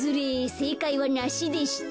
せいかいはナシでした。